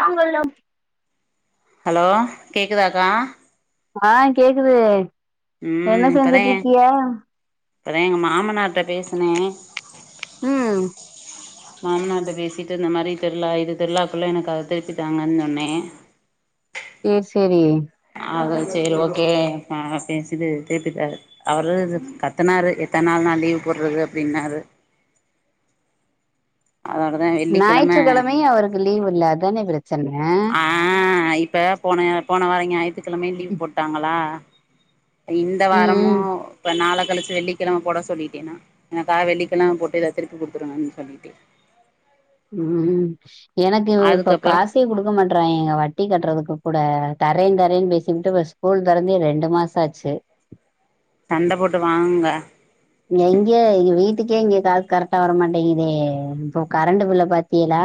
தாங்கள்லாம் hello கேக்குதாக்கா ஆஹ் கேக்குதூ என்ன செஞ்சுட்ருக்கியே எதா எங்க மாமனார்ட்ட பேசுனே உம் மாமனார்ட்ட பேசிட்டு இந்த மாரி திர்ழா இது திருழாக்குல்லா என்ன கர்த்தெரிச்சிட்டாங்கன் சொன்னே சேர் செரீ ஆதா சேரி ஓகே ஆ சேர்சிடு கேட்டுட்டாரு அவரு இது கத்துனாரு எத்தன் நாள் நா லீவ் போட்றது அப்டின்னாரு அதனோடதா ஏ ஞாயிற்றுக்கெழம்மையு அவருக்கு லீவ் இல்ல அதான பிரச்சன்னெ ஆஹ் இப்ப போன போன வாரொ ஞாயித்துகெழமையு லீவு போட்டாங்களா இந்த வாரமூ ம் இப்ப நாளக்கழிச்சி வெள்ளிக் கிழம போட சொல்லிட்டே நா எனக்காக வெள்ளிக்கெழம போட்டு இத திருப்பி குடுத்துருங்கன் சொல்லிட்டே உம் உம் எனக்கு இப்ப அதுக்கப்புறோ காஸ் டீ குடுக்க மாட்றாயெங்க வட்டி கட்றதுக்கு கூட தர்ரே தரேன் பேசிகிட்டு இப்ப ஸ்கூல் தெறந்தே ரெண்டு மாஸ் தாச்சு சண்ட போட்டு வாங்க எங்கே இங்க வீட்டுக்கே இங்க காசு கரெட்டா வரமாட்டேங்குதே இப்பொ கரண்டு பில்ல பாத்தீயலா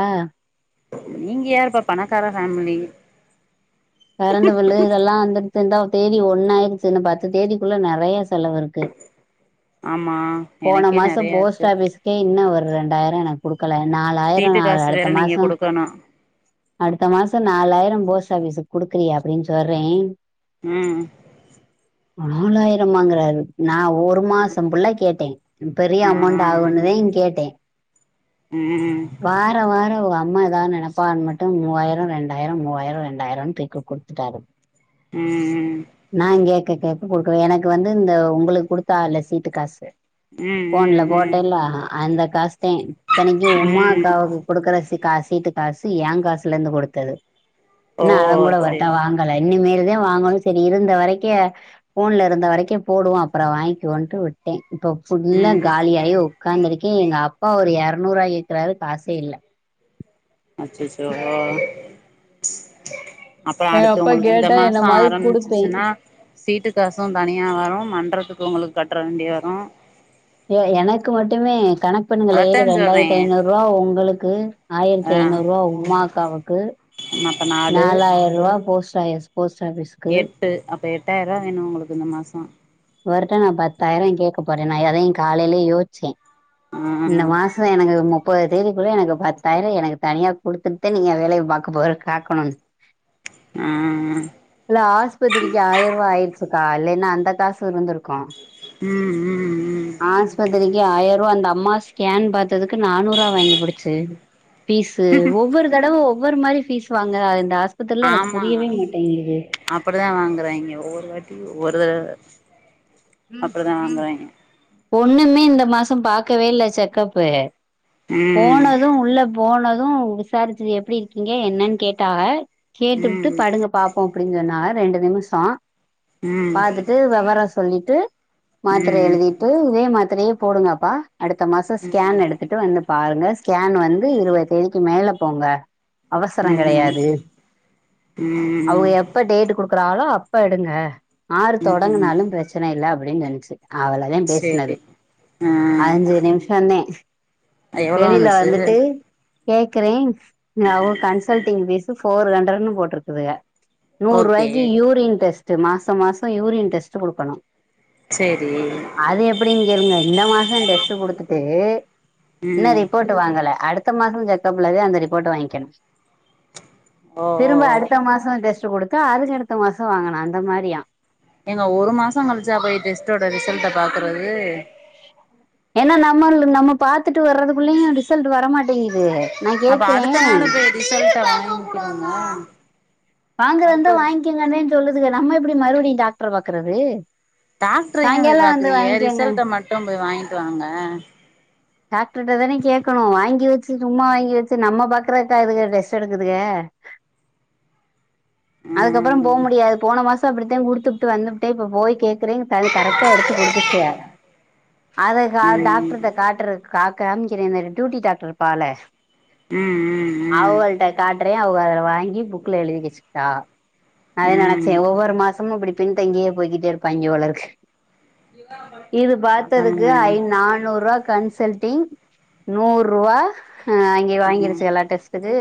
நீங்க யாருப்பா பணக்கார ஃபேமிலி கரண்டு பில்லு இதெல்லா வந்துருச்சுந்தா தேதி ஒண்ணாயிருச்சு இன்னு பத்து தேதிக்குள்ள நெறையா செலவிருக்கூ ஆமா போன எனக்கே மாசோ நெறையா போஸ்ட் இருக்கு ஆபிஸ்கே இன்னு ஒரு ரெண்டாயிரோ எனக் குடுக்கல நாலாயிரோ சீட்டு நா காசு அடுத்த வேற நீங்க மாசோ குடுக்கணு அடுத்த மாசோ நாலாயிரோ போஸ்ட் ஆபிஸுக் குடுக்கலியே அப்டின் சொல்றே உம் நாலாயிரமாங்குறாரு நா ஓரு மாசோ புல்லா கேட்டே பெரிய ஆ அமௌண்ட் ஆ ம் ஆகுன்னுதே கேட்டே [unintelligible] வார வார ஒ அம்மா ஏதாது நினப்பாங்கண்ட்டு மூவாயிரம் ரெண்டாயிர மூவாயிர ரெண்டாயிரன் தேக்கு குடுத்துட்டாரு ம் ம் நா கேக்க கேக்க குடுக்க எனக்கு வந்து இந்த உங்களுக்கு குடுத்தால்லு சீட்டு காசு போன்ல ம் ம் போட்டேன்ல்ல அந்த காசுதே இத்தனைக்கும் ம் உமாக்காவுக் குடுக்குற கா சீட்டு காசு ஏ காசுல இருந்து குடுத்தது ஓ இன்னும் அதங் கூட அவர்ட்ட சேரி சேரி வாங்க அத இன்னிமேல்தான் வாங்கனும் சி சேரி இருந்த வரைக்கே போன்ல இருந்த வரைக்கும் போடுவோம் அப்புரோ வாங்கிவோம்ன்னு விட்டேன் இப்போ ஃபுல்லா காலியாயி உட்காந்துருக்கே எங்க அப்பா ஒரு எறநூறுவா கேக்குறாரு காசே இல்ல அச்சச்சோ அப்ப எங்க அடுத்து அப்பா உங்களுக்கு இந்த கேட்டா மாசோ என்னமாது குடுப்பே ஆரம்பிச்சிச்சுன்னா சீட்டு காசும் தனியா வரும் மண்றதுக்கு உங்களுக்கு கட்டுற வேண்டி வரும் ய எனக்கு மட்டுமே கணக் ப்பண்ணுங்களே அதத்தா ஏது சொல்றே ரெண்டாயிரத்தி ஐநூறு ரூவா உங்களுக்கு ஆயிரத்தி ஐநூறு ரூவா உமாக்காவுக்கு ஆ அப்ப நாலு நாலாயிரூவா போஸ்ட் ஆய்ஸ் போஸ்ட ஆஃபீஸ் எட்டு அப்போ எட்டாயிரூவா வேணும் உங்களுக்கு இந்த மாசம் இவர்ட்ட நா பத்தாயிரம் கேக்க போறேன் நா அதேன் காலையிலயே யோசிச்சேன் ஆ இந்த மாசம் க எனக்கு முப்பது தேதிக்குள்ள எனக்கு பத்தாயிரம் எனக்கு தனியா குடுத்துட்தேன் நீங்க வேலைய பாக்க போற காக்கணும் ஆ இல்ல ஆஸ்பத்திரிக்கு ஆயரூவா ஆயிருச்சுக்கா இல்லேன்னா அந்த காசு இருந்திருக்கும் ம் ஆஸ்பத்திரிக்கு ஆயரூவா அந்த அம்மா ஸ்கேன் பாத்ததுக்கு நானூர்றுவா வாங்கி புடுச்சு பீஸ்சு ஒவ்வொரு தடவ ஒவ்வொரு மாரி ஃபீஸ் வாங்குறாங்க இந்த ஆஸ் ப்பதிர்ல எனக்கு புரியவே மாட்டேங்குது அப்படிதான் வாங்குறாங்கே ஒவ்வொரு வாட்டி ஒவ்வொரு ஆ ம்ம் ஒண்ணுமே இந்த மாசம் பாக்கவே இல்ல செக்கப்பு ம் போனதும் உள்ள போனதும் விசாரிச்சு எப்டி இருக்கீங்க என்னன்னு கேட்டாக கேட்டுபுட்டு ம் படுங்க பாப்போம் அப்டின்னு சொன்னாக ரெண்டு நிமிசோம் ம் பாத்துட் ட்டு விவரம் சொல்லிட்டு மாத்திரய ம் எழுதிட்டு இதே மாத்திரையே போடுங்க ஆப்பா அடுத்த மாசோம் ஸ்கேன் எடுத்திட்டு வந்து பாருங்க ஸ்கேன் வந்து இருவது தேதிக்கு மேல போங்க அவசரம் ம் கெடையாது அவுக ம் எப் எப்போ டேட் கொடுக்குறாலோ அப்ப எடுங்க ஆறு ம் ம் தொடங்குனாலும் பிரச்சன இல்ல அப்டின்னு சொன்னிச்சு அவ்ளோதான் சேரி பேசுனது ஆ அஞ்சு நிமிஷந்தே எவ்ளோ வெளில வந்துச்சு வந்துட்டு கேக்குறேன் அவோ கன்சல்டிங் பீஸ்சு ஃபோர் ஹண்ட்ரடுன்னு போட்டு ருக்குதுக நூற் ஓகே ரூவாய்க்கு யூரின் டெஸ்ட் மாச மாசம் யூரின் டெஸ்ட் குடுக்கணும் செரி அது எப்டின்னு கேளுங்க இந்த மாசம் டெஸ்ட் குடுத்துட்டு இன்னு ம் ரிப்போர்ட் வாங்கல அடுத்த மாசம் செக்கப்ல தான் அந்த ரிப்போர்ட்ட வாங்க்கணும் ஓ ஓ திரும்ப ஓ அடுத் இந்த மாசம் டெஸ்ட் கொடுத்தா அதுக்கு அடுத்த மாசம் வாங்கனும் அந்த மாரியா ஏங்க ஒரு மாசம் கழிச்சா போய் டெஸ்ட்டோட ரிசல்ட்ட பாக்குறது ஏனா நம்மல்து நம்ம பாத்துட்டு வர்றது புள்ளைங்க ரிசல்ட் வரமாட்டேங்குது நா அப்ப கேக்குறேன் அடுத்த [inaudible] வாங்கறந்தா அடுத்தது வாங்கிக்கங்கனே சொல்லுதுங்க நம்ம இப்படி மறுபடியு டாக்டர பாக்குறது டாக்டர யே போய் சாயங்காலம் வந்து பாக்குறிய வாங்கிக்கங்க ரிசல்ட்ட மட்டும் போய் வாங்கிட்டு வாங்க டாக்டர்ட்ட தான கேட்கணும் வாங்கிவச்சு சும்மா வாங்கி வச்சு நம்ம பாக்குறதுக்காதுக்கு டெஸ்ட் எடுக்குதுக அதுக்கப்ரோ ம் போமுடியாது போன மாச தா அப்டித்தான் குடுத்துபுட்டு வந்துபுட்டே இப்ப போய் கேக்குறேங் கது கரக்டா எடுத்து கொடுத்துச்சு அத கா ம் டாக்டர்ட்ட காட்டுற காக்க காம்க்கிறேன் இந்த டியூட்டி டாக்டர் இருப்பாருல ம் ம் அவகள்ட காட்டுரே அவுக அதுல வாங்கி புக்ல எழுதி வச்சிட்டா அத நினைச்ச ம் ம் ச ஒவ்வொரு மாசமும் இப்டி பின்தங்கியே போயிட்டே இருப்பாய்ங்க போலருக்கு இது பாத்ததுக்கு அதான ஐ நானூரூபா கன்சல்ட டிங் நூறுவா ஆ அங்க ம் வாங்கிருச்சுகலா டெஸ்ட்டுக்கு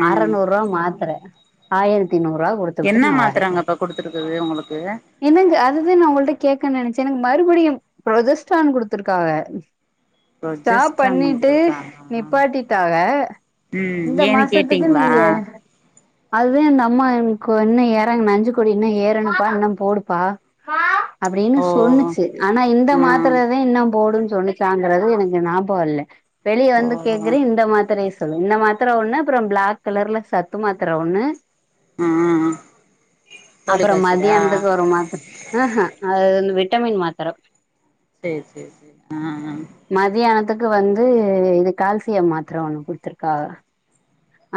ம் அறநூரூவா மாத்ர ஆயிரத்திநூரூவா கொடுத் என்ன மாத்திரங்கப்ப கொடுத்துருக்குது உங்களுக்கு என்னங்க அததா நா உங்கள்டிட்ட கேக்ன்னு நினைச்சேன் எனக்கு மறுபடியும் ப்ரதச்டா கொடுத்துருக்காக ஸ்டாப் ப்ரொஜெஸ்ட்ரான் பண்ணிட்டு குடுத்துருக்காங்க நிப்பாட்டிட்டாக ம் இந்த ஏன்னு மாசத்துக்கு கேட்டீங்களா நீங்க அதான் நம்ம ன இன்னும் ஏறாம நஞ்சுக்கொடி இன்னும் ஏறணுப்பா இன்னும் போடுப்பா அப்டின்னு ஓ சொன்னுச்சு ஆனா இந்த ம் மாத்திர தான் இன்னும் போடுன்னு சொன்னு சாங்கறது எனக்கு ஞாபகம் இல்ல வெளிய வந்து கேக்குர ஓ இந்த மாத்திரய ப்ப இந்த மாத்திர ஒண்ணு அப்புரோம் பிளாக் கலர்ல சத்து மாத்திர ஒண்ணு ம் ஃபோலிக் அப்ரோ ஆசிடா மத்யானத்துக்கு ஒரு மாத்த ஆஹ் ஹ் அது வந்து விட்டமின் மாத்தர செரி செரி செரி ஆ மதியானத்துக்கு வந்து இது கால்சியம் மாத்திர ஒண்ணு குடுத்துருக்கா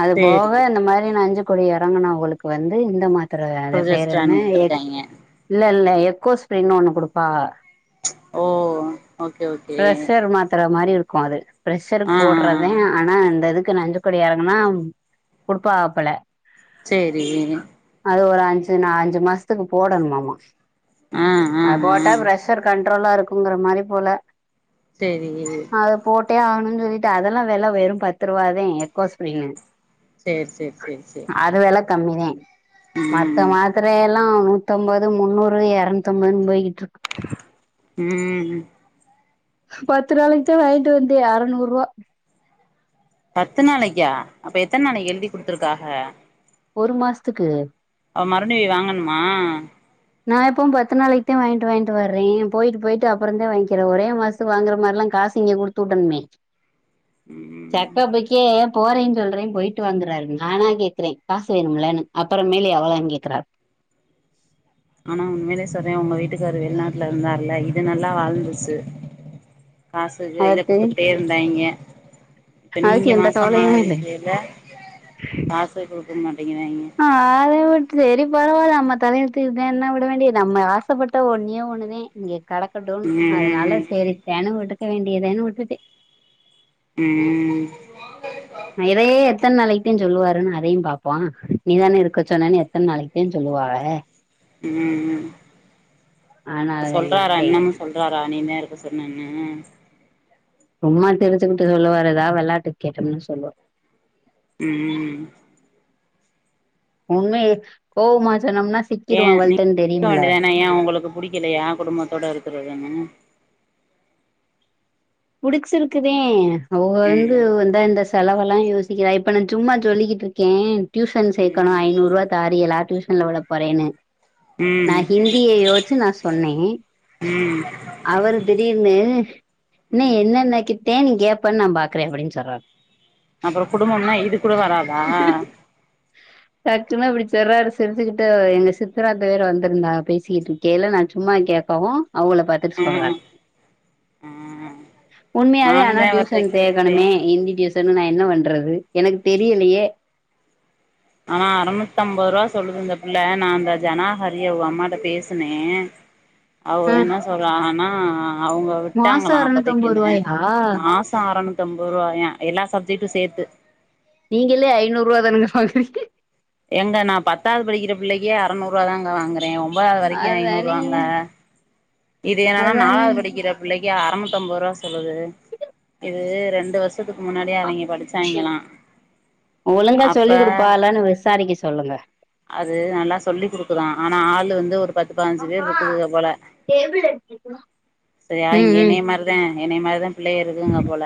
அது போக சேரி இந்த மாரி நஞ்சு கொடி இறங்கனுவங்களுக்கு வந்து இந்த மாரி தர அது ப்ரொஜெ பேர் ஸ்டாண்ட் என்ன எக் குடுத்துருக்காய்ங்க இல்லல்ல எக்கோ ஸ்ப்ரேனு ஒண்ணு குடுப்பாக ஓ ஓகே ஓகே பிரசர் மாத்திர மாதிரி இருக்கு அது ப்ரெஷருக்கு ஆ ஆ ஆ போடுறதே ஆனா இந்த இதுக்கு நஞ்ச கொடி இறங்கன்னா கொடுப்பாப்பல சேரி அது ஒரு அஞ்சு நா அஞ்சு மாசத்துக்கு போடணுமாமா ஆ அ அது போட்டா ப்ரெஷர் கண்ட்ரோலா இருக்குங்கிற மாரி போல சேரி அது போட்டே ஆகணும்ன்னனு சொல்லிட்டு அதெல்லா வில வெரும் பத்து ரூபாதா எகோ ஸ்பிரிமு சேரி சேரி சேரி சேரி அதுவேல கம்மிதே ம த்த ம் மாத்திரையல்லாம் நூத்தம்பது முன்னூறு இரநூதுதம்பதுணு போயிட்டு இருக்கு ம் பத்து நாளைக்கு தா வாங்கிட்டு வந்தே அறநூரூபா பத்து நாளைக்கா அப்ப எத்தன நாளைக்கு எழுதி கொடுத்துருக்காஹ ஒரு மாசத்துக்கு அ மறுபடி வாங்கணுமா நா எப்போவு பத்து நாளைக்குதா வாங்கிட்டு வாங்கிட்டு வர்றே போயிட்டு போயிட்டு அப்புறந்தா வாங்கிற ஒரே மாச சோ வாங்குற மாரிலா காசு இங்க கொடுத்துவுடணுமே ம் செக்கப்புக்கே போறேன்னு சொல்றே போயிட்டு வாங்றாரு நானா கேக்குறே காசு வேணும்லன்னு அப்புறமேலே என்ன எவளோனு கேக்குறாரு ஆனா உண்மையலே சொல்ற உங்க வீட்டுக்காரு வெளிநாட்டுல இருந்தார்ல இது நல்லா வாழ்ந்துச்சு காசு இத அதுக்கு குடுத்துக்கிட்டே இருந்தாய்ங்க இப்ப அதுக்கு நீங்க எந்த மாசமா கவலையுமே இல்ல இருக்கையில காசு குடுக்க மாட்டேங்கிறாய்ங்க ஆ அத உட்று சேறி பரவால்ல நம்ம தலையெழுத்து இதுதேன்னு விட வேண்டிய தா நம்ம ஆசைப்பட்ட ஒன்னே ஒன்னுதே இங்க கெடக்கட்டுனு ம் ம் அதனால ம் சரித்தானு விட்டுக்க வேண்டியதான்னு விட்டுட்டே ம் நா இதையே எத்தன நாளைக்குதா சொல்லுவாருன்னு அதையு பாப்போ நீதானே இருக்க சொன்னன்னு எத்தன நாளைக்குதா சொல்லுவாக ம் ம் ஆனால சொல்றாரா விட்டே இன்னமு சொல் றாரா நீன்தே இருக்க சொன்னேன்னு சும்மா சிரிச்சுக்கிட்டு சொல்லுவாருடா எதா வெளாட்டுக்கு கேட்டோம்னா சொல்லு ம்ம் ம் உண்மைய கோவமா சொன்னோம்னா ஏ சிக்கிருவோ நீ அவள்ட்டன்னு இருக்க தெரியும்ல வேண்டியதான ஏ அவுங்களுக்கு புடிக்கலையா குடும்பத்தோட இருக்குறதுனு புடிச்சிருக்குதே அவுக வந்து ம் வந்தா இந்த செலவெல்லா யோசிக்கிறா இப்ப நா சும்மா சொல்லிக்கிட்டு இருக்கே டியூஷன் சேக்கணு ம் ஐநூறுவா தாரிகலா டியூஸ் ல விட போறேன்னு நா ம் ஹிந்திய யோசிச்சு நா சொன்னே ம் அவரு திடீர்னு இன்னே ம் என்னென்ன கிட்டே நீ கேப்பன்னு நா பாக்குற அப்டின்னு சொல்றாரு அப்றோ குடும்பம்னா இது கூட வராதா டக்குன்னு இப்டி சொர்றாரு சிரிச்சுக்கிட்டு எங்க சித்திராஅத்த வேற வந்திருந்தாகா பேசிக்கிட்டு இரு கேலே நா சும்மா கேட்கவு அவுங்கள பத்தி ம் ம் உண்மையாவே ஆனா டியூசன் சேக்கணுமே ஹிந்தி டியூசனு நா என்ன பண்றது எனக்கு தெரியலையே ஆனா அறநூத்தம்பது ரூவா சொல்லுது இந்த பிள்ள நா அந்த ஜனாஹரி அவுங்க அம்மாட்ட பேசுனே அவுக ஆ என்ன சொல்லாங்கனா அவுங்க மாசோ விட்டாங்களா எரநூத்தம்பது அப்பதைக்குன்னு ரூவாயா மா மாசோ ஆறநூத்தம்பது ரூவாயா எல்லா சப்ஜெட்டு சேத்து நீங்களே ஐநூறுவா தானங்க வாங்குறீங்க ஏங்க நா பத்தாவது படிக்கிற பிள்ளைக்கே அறநூறுவா தாங்க வாங்குறே ஒன்பதாவது வரைக்கு ஐநூறு அதானே ரூவாங்க இது என்னன்னா அதானே நாலாவது படிக்கிற பிள்ளைக்கு அறநூத்தம்பது ரூவா சொல்லுது இது ரெண்டு வருஷத்துக்கு முன்னாடியே அவிங்க படிச்ச ஒழுங்கா அப்ப சொல்லி் குடுப்பாகலனு விசாரிக்க சொல்லுங்க அது நல்லா சொல்லி் குடுக்குதா ஆனா ஆளு வந்து ஒரு பத்து பதினஞ்சு பேர் இருக்குதுக போல டேபிள் எடுத்துக்கோ சரியா இங்க என்னைய மாரிதே என்னய மாரிதே பிள்ளைக இருக்குங்க போல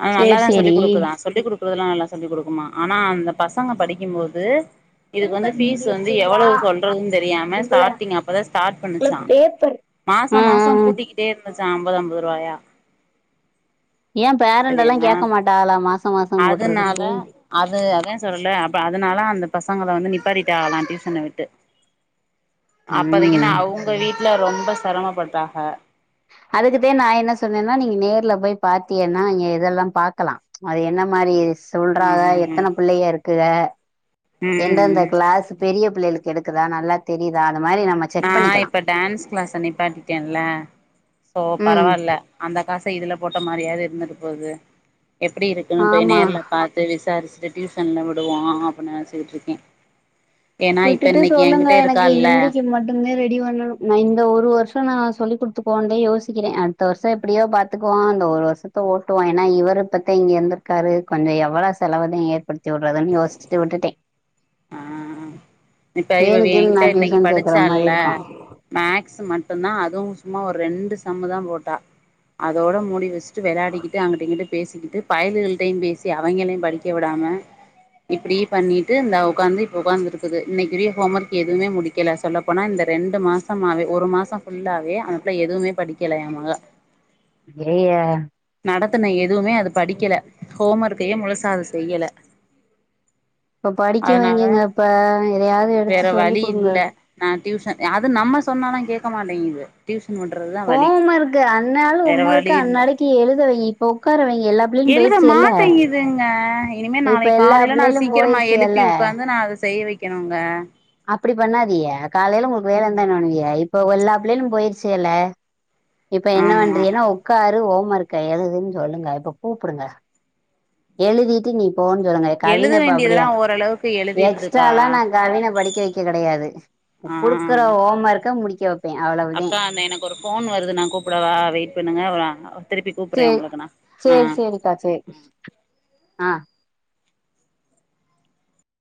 ஆனா நல்லா சேரி தா சேரி சொல்லிக் குடுக்குதா சொல்லிக் குடு கூடுதலா நல்லா சொல்லி குடுக்குமா ஆனா அந்த பசங்க படிக்கும்போது இதுக்கு வந்து ஃபீஸ் வந்து எவ்வளோ சொல்றதுன்னு தெரியாம ஸ்டார்டிங் அப்பதா ஸ்டார்ட் பண்ணுச்சா பேப்பர் மாச ஆ ஆ மாசோ ஆ கூட்டிக்கிட்டே இருந்துச்சா அம்பது அம்பது ரூவாயா ஏ பேரண்டெல்லா சரியானா கேக்க மாட்டாகளா மாசோ மாசோ அதுனால கூட்றதுக்கு அது அதா சொல்றல அப்ப அதுனால அந்த பசங்கள வந்து நிப்பாட்டிட்டாகலா டியூசன விட்டு அப்பதைக்குனா ம் அவுங்க வீட்ல ரொம்ப செரமப்பட்டாக அதுக்குதே நா என்ன சொன்னேன்னா நீங்க நேர்ல போய் பாத்தீயனா எ இதெல்லா பாக்கலா அது என்ன மாரிஸ் ம் சொல்றாக ம் ம் எத்தன பிள்ளைக இருக்குக ம் ம் எந்தெந்த ம் கிளாஸு பெரிய பிள்ளைளுக்கு எடுக்குதா நல்லா தெரிதா அந்த மாரி நம்ம நா செக் பண்ணிக்கலா இப்ப டான்ஸ் கிளாஸ்ஸ நிப்பாட்டிட்டேன்ல சோ ம் பரவால்ல அந்த காச இதுல போட்ட மாரியாது இருந்துட்டு போது எப்டி இருக்குன்னு போய் ஆமா நேர்ல பா த்து விசாரிச்சுட்டு டியூசன்ல விடுவோ அப்புன் நெனஸுகிட்ருக்கே விட்டுட்டு சொல்லுங்க எனக்கு இருக்கால்ல ஹிந்திக்கு மட் இர்ந்தே ரெடி பண்ணணு நா இந்த ஒரு வருஷோதா நா சொல்லிக்குட்த்துகுவோன்தா யோசிக்கிறே அடுத்த வர்ஷோ எப்டியோ பாத் துக்குவோ இந்த ஒரு வருஷத்த ஓட்டுவோ எனா இவரு இப்பத்தே இங்க இர்ந்திருக்காரு கொஞ்சோ எவுளோ செலவதா ஏற்படுத் துவுட்றதுன் யோசுச்சிட்டு விட்டுட்டே ஆ இப்ப இவவே வேணுக்குன்னு நா என்கிட்ட இன்னக்கி டியூசன் சேக்குற மாரி படிச்சால இருக்கு மேக்ஸூ மட்டுந்தா அதுவு சும்மா ஒரு ரெண்டு சம்முதா போட்டா அதோட மூடி வஸ் ட்டு வெளாடிகிட்டு அங்குட்டு இங்குட்டு பேசிக்கிட்டு பயல்கள்கில்ட்டயு பேசி அவங்களையு படிக்க விடாம இப்டி பண்ணிட்டு இந்த ஒக்காந்து இப்ப ஒக்காந்திருக் குது இன்னக்கு ரீ ஹோம்வொர்க் எதுமே முடிக்கல சொல்லப்போனா இந்த ரெண்டு மாசமாவே ஒரு மாசோ ஃபுல்லாவே அந்தப்புள எதுவுமே படிக்கல ஏன் மகா ஐயய நடத்துன எதுவுமே அது படிக்கல ஹோம்வொர்க்கையு முழுசா அது செய்யல இப்ப படிக்க அதனால வைங்கங்க அப்ப எதயாது வேற எடுத்து சொல்லி வழி குடுங்க இல்ல நா டியூஷன் அது நம்ம சொன்னாலா கேக்க மாட்டேங்கிது டியூஷன் பண்றதுதுதா ஹோமருக்கு அண்ணாலு ஹோமர்க்கு இல்ல அன்நாளக்கி எழுத வையி இப்போ ஒக்காரவையி எல்லா பிள்ளைகளு எழுத போயிருச்சுல்ல மாட்டேங்குதுங்க இனிமே இப்ப நாளைக் எல்லா காலேல நா பிள்ளைகளு சீக்கிரமா எழுப்பி போயிருச்சுல்ல உக்காந்து நா அத செய்ய வை கெணுங்க அப்டி பண்ணாதிக காலேல உங்ளுக்கு வேல இருந்தா என்ன பண்ணுவிக இப்போ ஒ எல்லா பிள்ளைகுளு போய்ர்ச்சுகல இப்ப என்ன ஆமா பண்றீகனா உக்காரு ஹோம்வொருக்க எழுதுன் சொல்லுங்க இப்போ கூப்புடுங்க எழுதிட்டு நீ போன் சொல்லுங்க எழுத கவின் இப்ப வேண்டியதெல்லா அப்பிடியா ஓரளவுக்கு எழுதிடுதுக்கா எக்ஸ்ட்ராலா நா கவின படிக்க வைக்க கெடையாது ஆ குடுக்குற ஹோம்வொர்க்க முடிக்க வப் அக்கா அந்த எனக்கு ஒரு ஃபோன் வருது நா கூப்புடவா வெய்ட் பண்ணுங்க வ திருப்பி கூப்புறே உங்களுக்க நா ஆ ட்டா சே ஆ